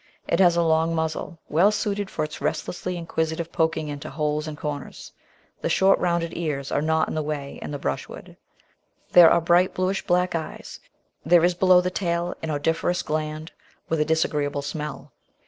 It has a long muzzle, well suited for its restlessly inquisitive poking into holes and comers; the short rounded ears are not in the way in the brushwood ; there are bright bluish black eyes ; there is below the tail an odoriferous gland with a disagreeable smell.